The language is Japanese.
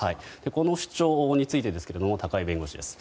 この主張について高井弁護士です。